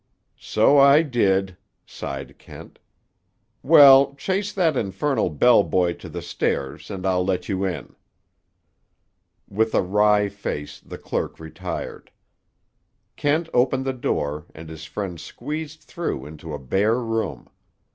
"So I did," sighed Kent. "Well, chase that infernal bell boy to the stairs, and I'll let you in." With a wry face the clerk retired. Kent opened the door, and his friend squeezed through into a bare room.